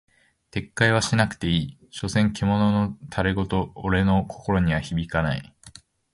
撤回はしなくていい、所詮獣の戯言俺の心には響かない。